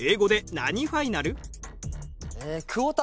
セミファイナル。